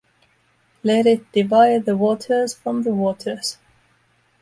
Let it divide the waters from the waters.